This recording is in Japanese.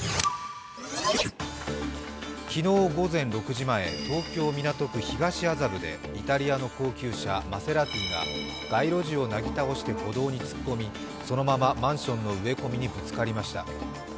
昨日午前６時前、東京・港区、東麻布でイタリアの高級車マセラティが街路樹をなぎ倒して歩道に突っ込み、そのままマンションの植え込みにぶつかりました。